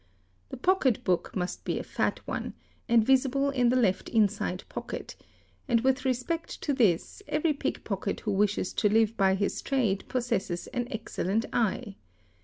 The pocket book must be a fat one, and _ visible in the left inside pocket, and with respect to this, every pick pocket who wishes to live by his trade possesses an excellent eye.